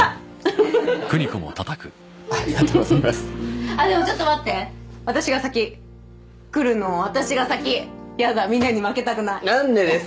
ふふっありがとうございますあっでもちょっと待って私が先来るの私が先やだみねに負けたくないなんでですか？